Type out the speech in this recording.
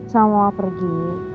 saya mau pergi